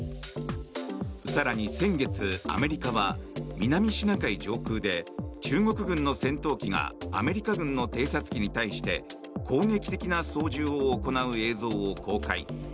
更に先月、アメリカは南シナ海上空で中国軍の戦闘機がアメリカ軍の偵察機に対して攻撃的な操縦を行う映像を公開。